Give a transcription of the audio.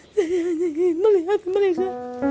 saya hanya ingin melihat mereka